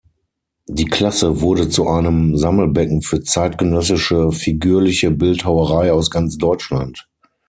Die Klasse wurde zu einem Sammelbecken für zeitgenössische figürliche Bildhauerei aus ganz Deutschland.